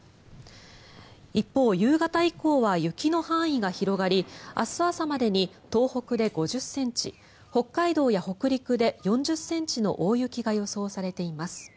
一方、夕方以降は雪の範囲が広がり明日朝までに東北で５０ｃｍ北海道や北陸で４０ｃｍの大雪が予想されています。